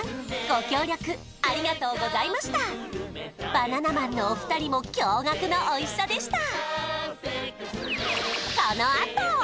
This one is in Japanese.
ご協力ありがとうございましたバナナマンのお二人も驚がくのおいしさでした！